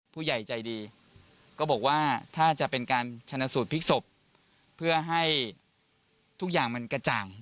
ผู้ใหญ่ใจดีก็บอกว่าถ้าจะเป็นการชนะสูตรพลิกศพเพื่อให้ทุกอย่างมันกระจ่าง